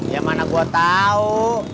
ya mana gue tahu